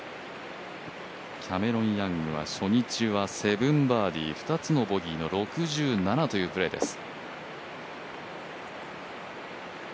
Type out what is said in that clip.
キャメロン・ヤングは初日は７アンダー２つのボギーの６７というプレーです。